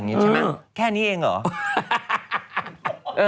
ใช่ไหมแค่นี้เองเหรอ